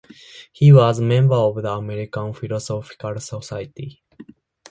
He was a member of the American Philosophical Society.